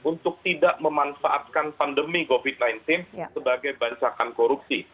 untuk tidak memanfaatkan pandemi covid sembilan belas sebagai bancakan korupsi